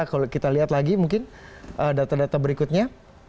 kalau kita lihat lagi mungkin data data berikutnya